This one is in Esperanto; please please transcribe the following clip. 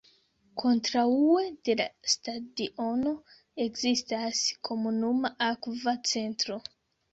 Kontraŭe de la stadiono, ekzistas komunuma akva centro.